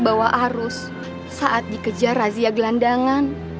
bawa arus saat dikejar razia gelandangan